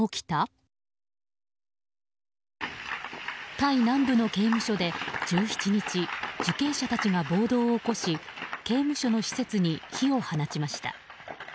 タイ南部の刑務所で１７日受刑者たちが暴動を起こし刑務所の施設に火を放ちました。